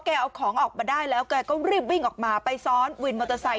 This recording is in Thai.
เอาของออกมาได้แล้วแกก็รีบวิ่งออกมาไปซ้อนวินมอเตอร์ไซค